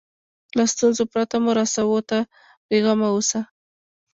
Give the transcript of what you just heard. له ستونزو پرته مو رسوو ته بیغمه اوسه.